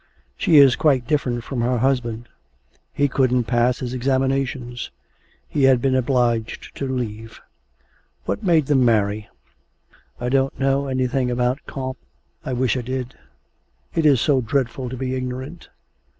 She is quite different from her husband; he couldn't pass his examinations; he had been obliged to leave. ... What made them marry? 'I don't know anything about Comte I wish I did; it is so dreadful to be ignorant.